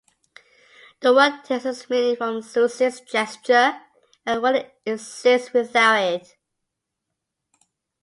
The work takes its meaning from Zeuxis' gesture and wouldn't exist without it.